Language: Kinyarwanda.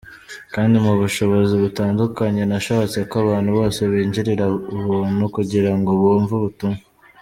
Kandi mu bushobozi butandukanye, nashatse ko abantu bose binjirira ubuntu kugirango bumve ubutumwa.